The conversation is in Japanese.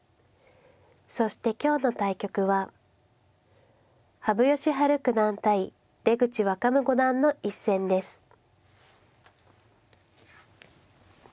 そして今日の対局は羽生善治九段対出口若武五段の一戦です。